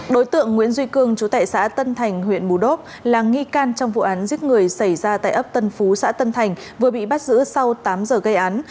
đối tượng nguyễn duy cương chú tại xã tân thành huyện bù đốp là nghi can trong vụ án giết người xảy ra tại ấp tân phú xã tân thành vừa bị bắt giữ sau tám giờ gây án